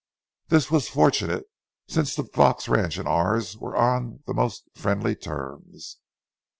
This was fortunate, since the Vaux ranch and ours were on the most friendly terms.